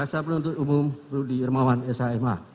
jaksa penuntut umum rudy irmawan s a m a